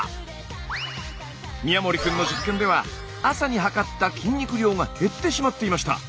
宮森君の実験では朝にはかった筋肉量が減ってしまっていました。